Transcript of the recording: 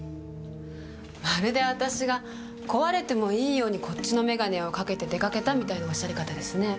まるで私が壊れてもいいようにこっちの眼鏡をかけて出かけたみたいなおっしゃり方ですね。